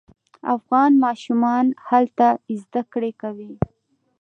افغان ماشومان هلته زده کړې کوي.